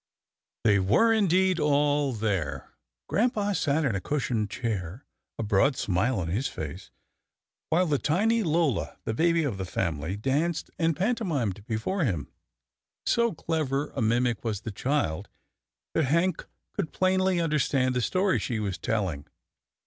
They were indeed all there. Grampa sat in a cushioned chair, a broad smile on his face, while the tiny Lola, the baby of the family, danced and pantomimed before him. So clever a mimic was the child, that Hank could plainly understand the story she was telling.